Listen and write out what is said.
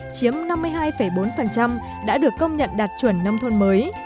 chiếm năm mươi hai bốn đã được công nhận đạt chuẩn nông thôn mới